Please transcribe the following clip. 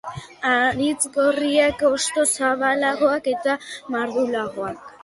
Haritz gorriak hostoa zabalagoa du eta mardulagoa.